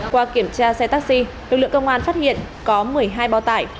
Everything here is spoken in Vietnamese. qua kiểm tra xe taxi lực lượng công an phát hiện có một mươi hai bao tải